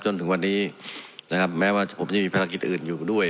จนถึงวันนี้นะครับแม้ว่าผมยังมีภารกิจอื่นอยู่ด้วย